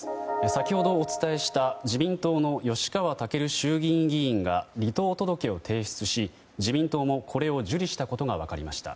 先ほどお伝えした自民党の吉川赳衆議院議員が離党届を提出し自民党もこれを受理したことが分かりました。